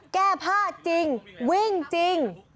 แก้ผ้าจริงวิ่งจริง